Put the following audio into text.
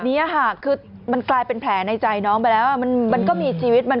เนี้ยค่ะคือมันกลายเป็นแผลในใจน้องไปแล้วอ่ะมันมันก็มีชีวิตมัน